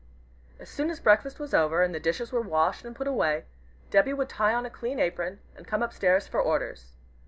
As soon as breakfast was over, and the dishes were washed and put away, Debby would tie on a clean apron, and come up stairs for orders.